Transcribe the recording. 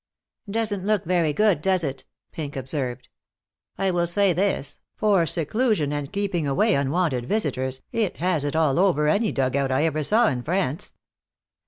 "Doesn't look very good, does it?" Pink observed. "I will say this, for seclusion and keeping away unwanted visitors, it has it all over any dug out I ever saw in France."